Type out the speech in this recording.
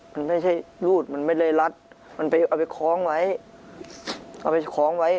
มันไม่ใช่รูดมันไม่ได้รัดมันเอาไปคล้องไว้